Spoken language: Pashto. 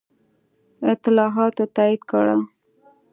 اطلاعاتو تایید کړه.